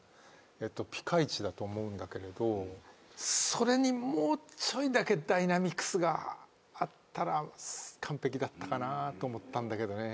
ピカイチだと思うんだけれどそれにもうちょいだけダイナミクスがあったら完璧だったかなと思ったんだけどね。